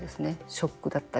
ショックだったり